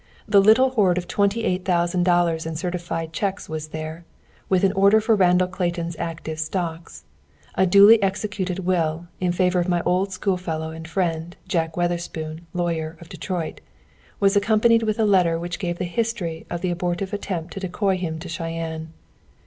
The little hoard of twenty eight thousand dollars in certified cheques was there, with an order for Randall Clayton's active stocks. A duly executed will, in favor of my school fellow and friend, Jack Witherspoon, lawyer, of Detroit, was accompanied with a letter which gave the history of the abortive attempt to decoy him to Cheyenne.